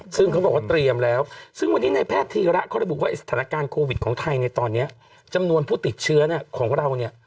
ซึ่งเขาบอกว่าเตรียมแล้วซึ่งวันนี้ในแพทย์ธีระเขาระบุว่าสถานการณ์โควิดของไทยในตอนนี้จำนวนผู้ติดเชื้อของเราเนี่ย